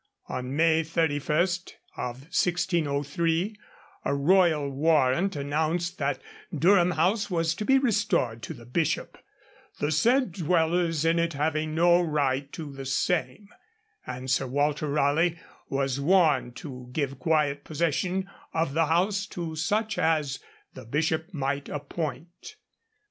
On May 31, 1603, a royal warrant announced that Durham House was to be restored to the Bishop 'the said dwellers in it having no right to the same' and Sir Walter Raleigh was warned to give quiet possession of the house to such as the Bishop might appoint.